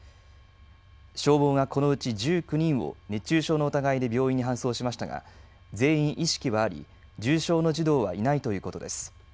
消防がこのうち１９人を熱中症の疑いで病院に搬送しましたが全員意識はあり、重症の児童はいないということです。